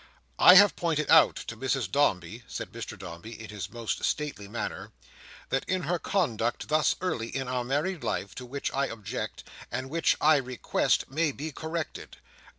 "I have pointed out to Mrs Dombey," said Mr Dombey, in his most stately manner, "that in her conduct thus early in our married life, to which I object, and which, I request, may be corrected.